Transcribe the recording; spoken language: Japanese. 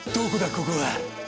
ここは。